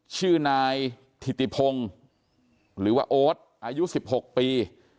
ชื่อนายฐิทิพงอายุ๑๖ปี